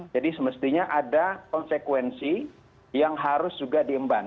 jadi semestinya ada konsekuensi yang harus juga diemban